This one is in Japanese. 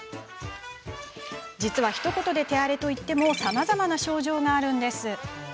実は、ひと言で手荒れといってもさまざまな症状があるんです。